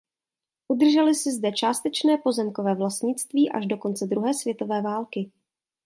Udržely si zde částečné pozemkové vlastnictví až do konce druhé světové války.